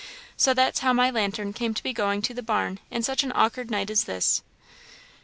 So that's how my lantern came to be going to the barn in such an awk'ard night as this."